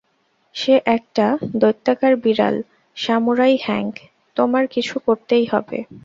সে একটা দৈত্যাকার বিড়াল, সামুরাই হ্যাংক, তোমার কিছু করতেই হবে।